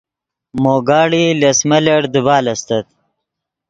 مو گھڑی لس ملٹ دیبال استت